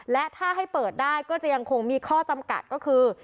และถ้าให้เปิดได้ก็จะยังคงมีข้อจำกัดก็คือ